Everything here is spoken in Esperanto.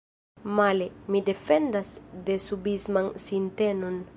Male, mi defendas desubisman sintenon.